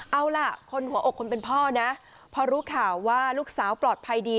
เอาล่ะคนหัวอกคนเป็นพ่อนะพอรู้ข่าวว่าลูกสาวปลอดภัยดี